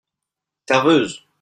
Serveuse !